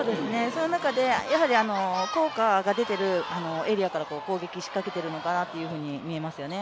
その中で、効果が出ているエリアから攻撃を仕掛けているのかなというのが見えますよね。